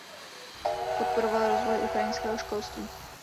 Podporoval rozvoj ukrajinského školství.